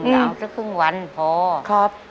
ยาวสักครึ่งวันพอครับ